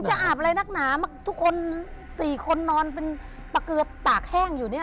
มึงจะอาบอะไรกับนักน้ำทุกคน๔คนนอนเป็นประเกิดตากแห้งอยู่เนี่ย